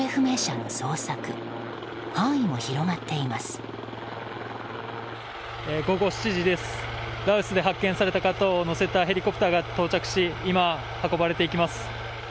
羅臼で発見された方を乗せたヘリコプターが到着し今、運ばれていきます。